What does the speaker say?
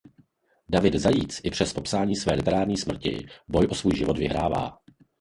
David Zajíc i přes popsání své literární smrti boj o svůj život vyhrává.